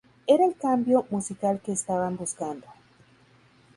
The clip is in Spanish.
Era el cambio musical que estaban buscando.